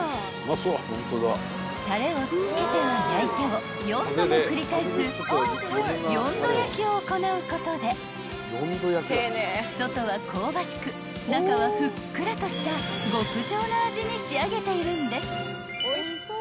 ［たれを付けては焼いてを４度も繰り返す４度焼きを行うことで外は香ばしく中はふっくらとした極上の味に仕上げているんです］